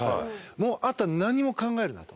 もうあとは何も考えるなと。